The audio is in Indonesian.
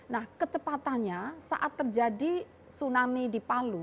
nah kecepatannya saat terjadi tsunami di palu